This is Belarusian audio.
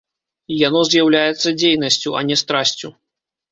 Яно з'яўляецца дзейнасцю, а не страсцю.